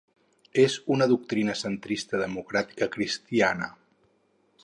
És una doctrina centrista democràtica cristiana.